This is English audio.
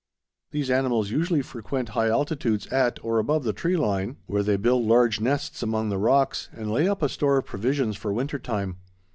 These animals usually frequent high altitudes at, or above the tree line, where they build large nests among the rocks and lay up a store of provisions for winter time.